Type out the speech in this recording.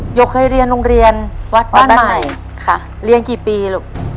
ยกเคยเรียนโรงเรียนวัดบ้านใหม่ค่ะเรียนกี่ปีลูก